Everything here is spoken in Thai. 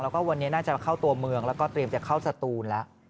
แล้วก็วันนี้น่าจะมาเข้าตัวเมืองแล้วก็เตรียมจะเข้าสตูนแล้ว